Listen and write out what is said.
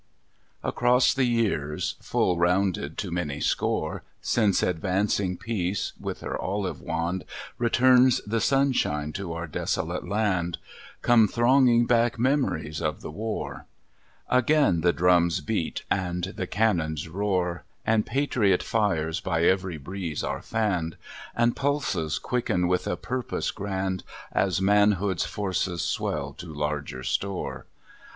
_ _"Across the years, full rounded to many score, Since advancing peace, with her olive wand, Returns the sunshine to our desolate land, Come thronging back memories of the war. Again the drum's beat and the cannon's roar, And patriot fires by every breeze are fanned, And pulses quicken with a purpose grand, As manhood's forces swell to larger store.